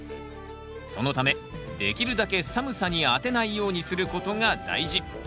そのためできるだけ寒さにあてないようにすることが大事。